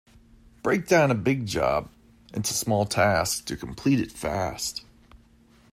Break down a big job into small tasks to complete it fast.